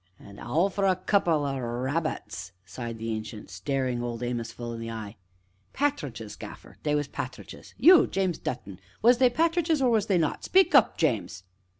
"An' all for a couple o' rabbits!" sighed the Ancient, staring Old Amos full in the eye. "Pa'tridges, Gaffer, they was pa'tridges you, James Dutton was they pa'tridges or was they not speak up, James."